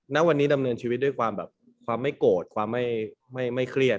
ณวันนี้ดำเนินชีวิตด้วยความแบบความไม่โกรธความไม่เครียด